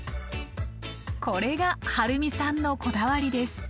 これがはるみさんのこだわりです。